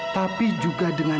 tapi juga dengan